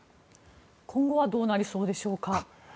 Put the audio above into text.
今後はどうなりそうでしょうか。